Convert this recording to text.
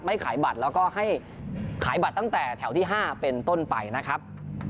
ขายบัตรแล้วก็ให้ขายบัตรตั้งแต่แถวที่๕เป็นต้นไปนะครับ